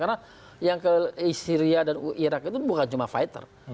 karena yang ke syria dan iraq itu bukan cuma fighter